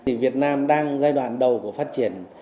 thì việt nam đang giai đoạn đầu của phát triển